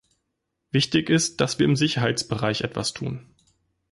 Wichtig ist, dass wir im Sicherheitsbereich etwas tun.